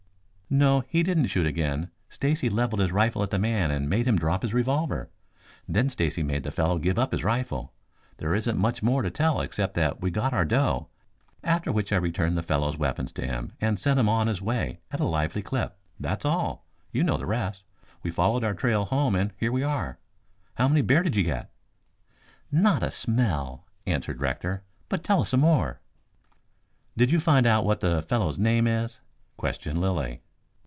"No, he didn't shoot again. Stacy leveled his rifle at the man and made him drop his revolver. Then Stacy made the fellow give up his rifle. There isn't much more to tell except that we got our doe, after which I returned the fellow's weapons to him and sent him on his way at a lively clip. That's all. You know the rest. We followed our trail home and here we are. How many bear did you get?" "Not a smell," answered Rector. "But tell us some more." "Did you find out what the fellow's name is?" questioned Lilly.